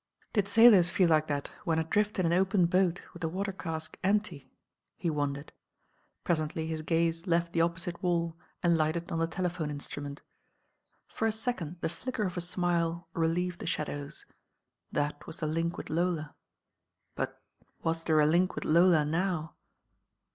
Did sailors feel like that when adrift in an open boat with the water cask empty? He wondered. Presently his gaze left the opposite wall and lighted 340 DR. TALUS PRESCRIBES Ml on the telephone initrument. For a second the flicker of a smile relieved the shadows. That was the link with Lola. But was there a link with Lola now?